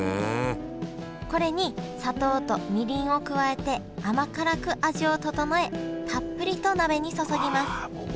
これに砂糖とみりんを加えて甘辛く味を調えたっぷりと鍋に注ぎますもう和の味だね。